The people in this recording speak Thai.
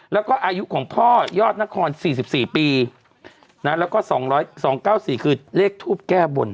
แล้วก็อายุของพ่อยอดนคร๔๔ปีแล้วก็๒๙๔คือเลขทูปแก้บน